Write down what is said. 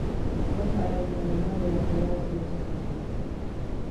Non pararon de animar e apoiar a selección nacional.